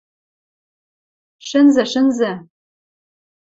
– Шӹнзӹ, шӹнзӹ.